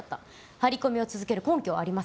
張り込みを続ける根拠はありません。